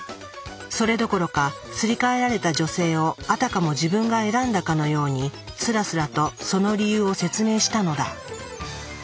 それどころかすり替えられた女性をあたかも自分が選んだかのようにスラスラとその理由を説明したのだ。